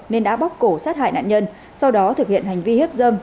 nên đã bóc cổ sát hại nạn nhân sau đó thực hiện hành vi hiếp dâm